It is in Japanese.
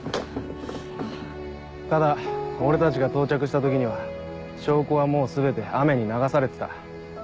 ただ俺たちが到着した時には証拠はもう全て雨に流されてた。